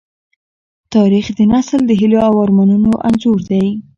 تاریخ د انسان د هيلو او ارمانونو انځور دی.